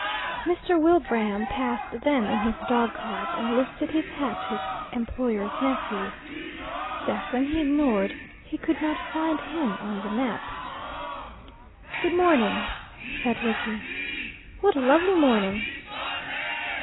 Mr. Wilbraham passed them in his dog cart, and lifted his hat to his employer's nephew. Stephen he ignored: he could not find him on the map. "Good morning," said Rickie. "What a lovely morning!"